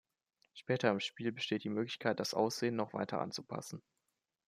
Später im Spiel besteht die Möglichkeit, das Aussehen noch weiter anzupassen.